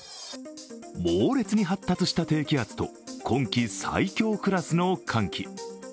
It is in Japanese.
猛烈に発達した低気圧と今季最強クラスの寒気。